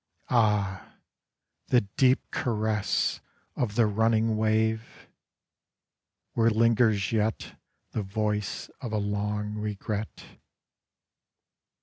Ah, the deep caress Of the running wave ... where lingers yet The voice of a long regret.